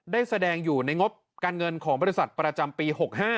ได้แสดงอยู่ในงบการเงินของบริษัทประจำปี๖๕